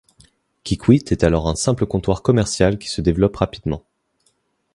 Kikwit est alors un simple comptoir commercial qui se développe rapidement.